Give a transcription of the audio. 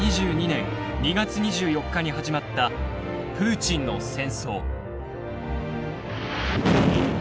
２０２２年２月２４日に始まったプーチンの戦争。